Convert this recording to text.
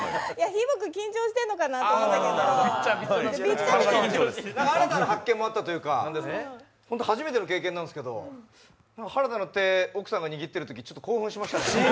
ひーぼぉくん、緊張してるのかなと思ったんだけど、新たな発見もあったというか、初めての経験なんですけど、原田の手、奥さんが握ってるときちょっと興奮しましたね。